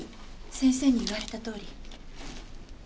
先生に言われたとおり。